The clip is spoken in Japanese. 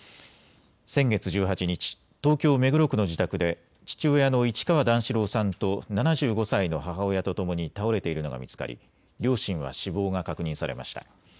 先月１８日、東京目黒区の自宅で父親の市川段四郎さんと７５歳の母親とともに倒れているのが見つかり両親は死亡が確認されました。